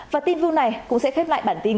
và tin vui này cũng sẽ khép lại bản tin